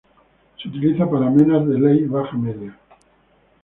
Se utiliza para menas de ley baja-media.